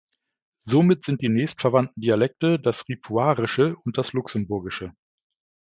Somit sind die nächstverwandten Dialekte das Ripuarische und das Luxemburgische.